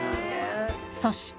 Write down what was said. そして。